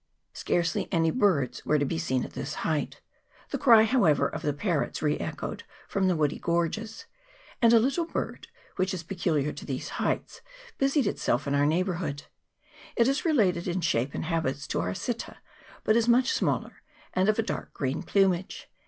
Scarcely any birds were to be seen at this height : the cry, however, of the parrots re echoed from the woody gorges ; and a little bird, which is peculiar to these heights, busied itself in our neighbourhood ; it is related in shape and habits to our Sitta, but is much smaller, and of a dark green plumage.